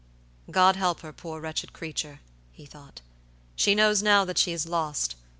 "God help her, poor, wretched creature," he thought. "She knows now that she is lost.